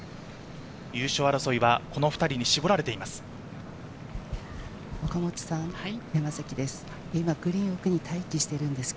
優勝争いはこの２人に絞られています。